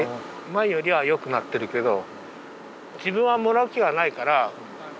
前よりはよくなってるけど自分はもらう気はないから。